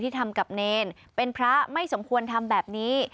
ทำกับเนรเป็นพระไม่สมควรทำแบบนี้